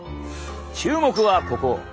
注目はここ。